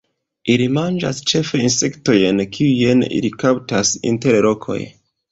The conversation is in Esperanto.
Ili manĝas ĉefe insektojn kiujn ili kaptas inter rokoj.